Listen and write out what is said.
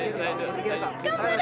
頑張れ！